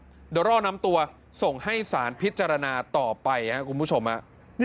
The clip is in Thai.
เดี๋ยวรอน้ำตัวส่งให้สารพิจารณาต่อไปนะครับ